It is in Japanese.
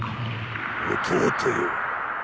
弟よ。